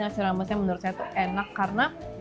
nasi ramesnya menurut saya enak karena